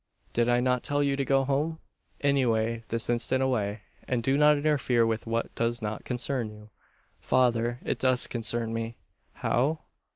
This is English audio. Did I not tell you to go home? Away this instant away; and do not interfere with what does not concern you!" "Father, it does concern me!" "How?